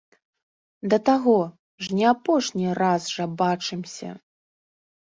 Да таго, ж не апошні раз жа бачымся.